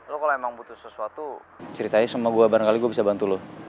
lo kalau emang butuh sesuatu ceritain sama gue bareng kali gue bisa bantu lo